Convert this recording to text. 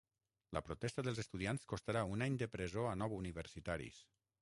La protesta dels estudiants costarà un any de presó a nou universitaris